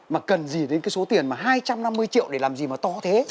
mà cần gì đến cái số tiền mà hai trăm năm mươi triệu để làm gì mà to thế